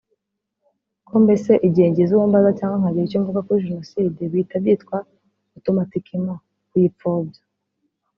Ko mbese igihe ngize uwo mbaza cyangwa nkagira icyo mvuga kuri jenoside bihita byitwa (automatiquement)kuyipfobya